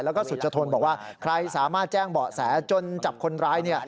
แล้วก็สุจทนบอกว่าใครสามารถแจ้งเบาะแสจนจับคนร้ายเนี่ย